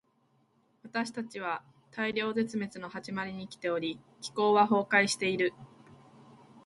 私たちは大量絶滅の始まりに生きており、気候は崩壊している。